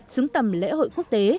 xứng tầm lễ hội quốc tế